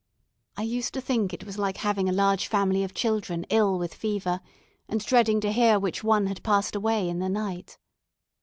I used to think it was like having a large family of children ill with fever, and dreading to hear which one had passed away in the night.